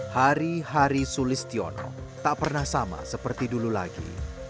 hari hari sulistiono tak pernah sama seperti dulu lagi